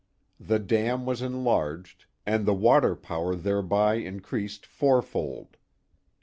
The dam was enlarged. ! and the water power thereby increased fourfold.